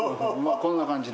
こんな感じで。